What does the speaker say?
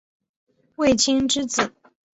卫青之子。